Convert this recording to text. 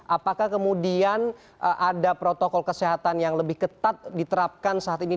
apakah kemudian ada protokol kesehatan yang lebih ketat diterapkan saat ini